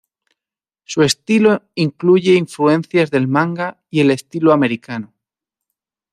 Su estilo incluye influencias del manga y el estilo americano.